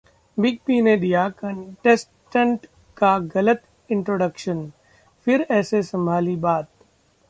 big B ने दिया contestant का गलत इंट्रोडक्शन, फिर ऐसे संभाली बात